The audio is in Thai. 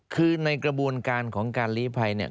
คือในกระบวนการของการลีภัยเนี่ย